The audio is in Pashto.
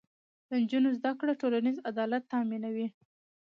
د نجونو زده کړه ټولنیز عدالت تامینوي.